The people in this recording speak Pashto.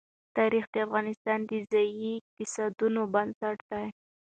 تاریخ د افغانستان د ځایي اقتصادونو بنسټ دی.